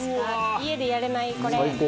家でやれないこれ。